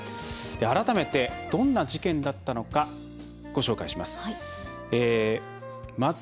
改めて、どんな事件だったのかご紹介します。